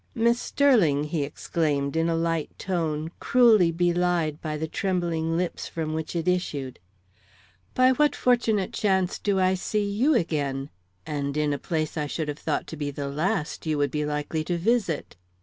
"Miss Sterling!" he exclaimed, in a light tone, cruelly belied by the trembling lips from which it issued, "by what fortunate chance do I see you again, and in a place I should have thought to be the last you would be likely to visit?"